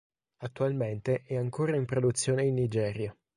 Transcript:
Attualmente è ancora in produzione in Nigeria.